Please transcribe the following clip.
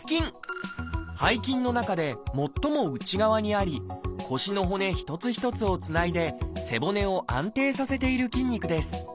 背筋の中で最も内側にあり腰の骨一つ一つをつないで背骨を安定させている筋肉です。